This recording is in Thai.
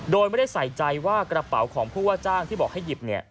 โดยไม่ได้ใส่ใจว่ากระเป๋าของผู้ว่าจ้างที่บอกให้หยิบ